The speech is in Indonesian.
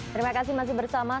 terima kasih masih bersama